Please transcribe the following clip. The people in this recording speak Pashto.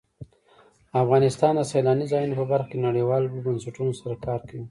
افغانستان د سیلانی ځایونه په برخه کې نړیوالو بنسټونو سره کار کوي.